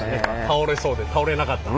倒れそうで倒れなかった。